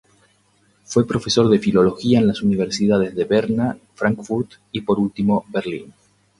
Fue profesor de Filología en las universidades de Berna, Frankfurt y, por último, Berlín.